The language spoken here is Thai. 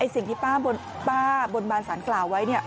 สิ่งที่ป้าบนบานสารกล่าวไว้เนี่ย